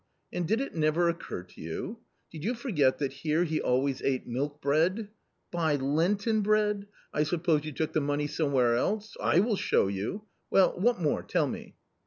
And did it never occur to you ? Did you forget that here he always ate milk bread ? Buy Lenten bread ! I suppose you took the money somewhere else ? I will show you ! Well, what more ? tell me."